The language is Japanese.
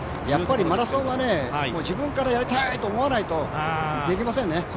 やっぱりマラソンは自分からやりたいと思わないとできませんね。